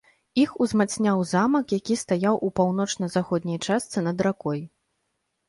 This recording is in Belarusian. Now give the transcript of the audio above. Іх узмацняў замак, які стаяў у паўночна-заходняй частцы над ракой.